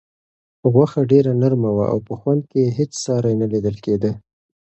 غوښه ډېره نرمه وه او په خوند کې یې هیڅ ساری نه لیدل کېده.